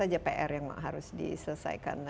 yang harus diselesaikan